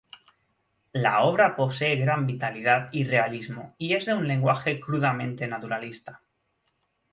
La obra posee gran vitalidad y realismo y es de un lenguaje crudamente naturalista.